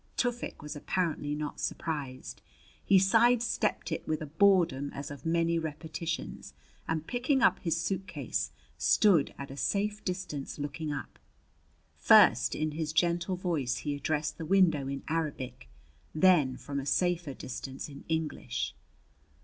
Tufik was apparently not surprised. He side stepped it with a boredom as of many repetitions, and, picking up his suitcase, stood at a safe distance looking up. First, in his gentle voice he addressed the window in Arabic; then from a safer distance in English.